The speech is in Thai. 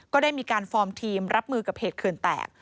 ก็ได้มีการฟอร์มทีมรับมือกับเหตุเขื่อนแตก